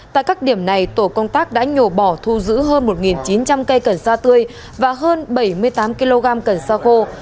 tại các điểm này tổ công tác đã nhổ bỏ thu giữ hơn một chín trăm linh cây cần sa tươi và hơn bảy mươi tám kg cần xa khô